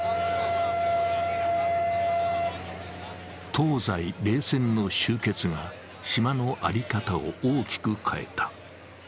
東西冷戦の終結が島の在り方を大きく変えた。